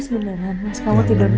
silahkan dilanjutkan obrolannya